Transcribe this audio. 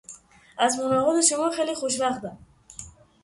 از ملاقات شما خیلی خوشوقتم.